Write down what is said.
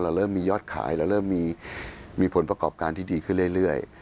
เริ่มมียอดขายเราเริ่มมีผลประกอบการที่ดีขึ้นเรื่อย